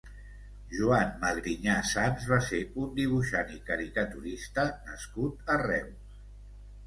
Joan Magrinyà Sans va ser un dibuixant i caricaturista nascut a Reus.